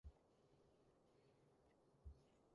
薑越老越辣